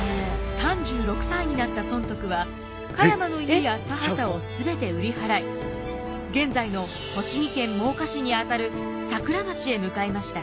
３６歳になった尊徳は栢山の家や田畑を全て売り払い現在の栃木県真岡市にあたる桜町へ向かいました。